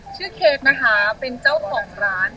ชื่อเคธนะคะเป็นเจ้าของร้าน